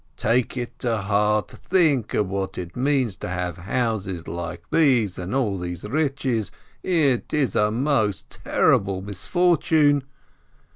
Take it to heart, think of what it means to have houses like these, and all these riches — it is a most terrible misfor tune